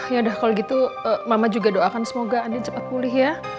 ya udah kalau gitu mama juga doakan semoga adi cepat pulih ya